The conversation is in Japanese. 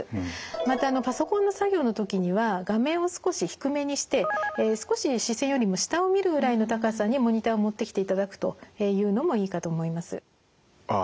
またパソコンの作業の時には画面を少し低めにして少し視線よりも下を見るぐらいの高さにモニターを持ってきていただくというのもいいかと思います。